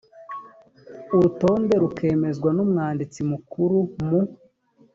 urutonde rukemezwa n umwanditsi mukuru mu